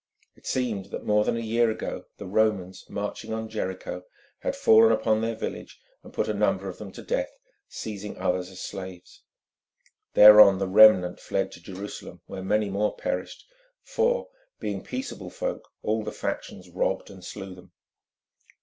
It seemed that more than a year ago the Romans, marching on Jericho, had fallen upon their village and put a number of them to death, seizing others as slaves. Thereon the remnant fled to Jerusalem, where many more perished, for, being peaceable folk, all the factions robbed and slew them.